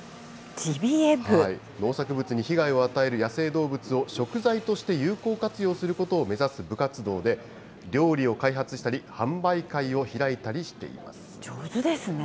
農作物に被害を与える野生動物を、食材として有効活用することを目指す部活動で、料理を開発したり、販売会を開いたりしてい上手ですね。